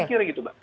saya kira gitu mbak